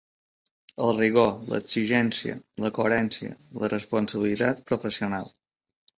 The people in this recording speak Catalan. El rigor, l'exigència, la coherència, la responsabilitat professional.